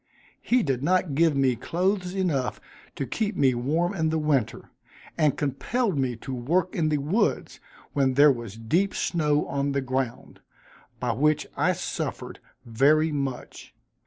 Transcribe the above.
He did not give me clothes enough to keep me warm in winter, and compelled me to work in the woods, when there was deep snow on the ground, by which I suffered very much.